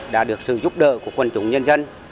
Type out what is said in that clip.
đã được sự giúp đỡ của quân chủng nhân dân